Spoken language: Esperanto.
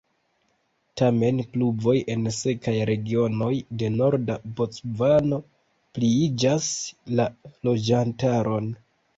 Tamen pluvoj en sekaj regionoj de norda Bocvano pliiĝas la loĝantaron.